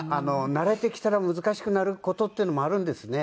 慣れてきたら難しくなる事っていうのもあるんですね。